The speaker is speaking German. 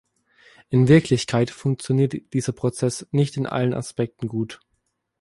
In Wirklichkeit funktioniert dieser Prozess nicht in allen Aspekten gut.